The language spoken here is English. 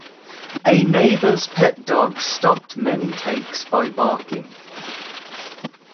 A neighbor's pet dog stopped many takes by barking.